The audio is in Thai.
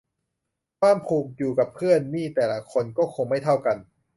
ความผูกอยู่กับเพื่อนนี่แต่ละคนก็คงไม่เท่ากัน